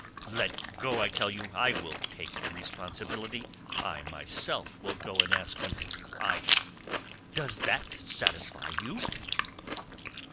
"Let go, I tell you! I will take the responsibility. I myself will go and ask him, I!... does that satisfy you?"